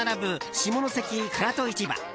下関・唐戸市場。